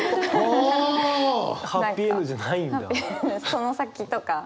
その先とか。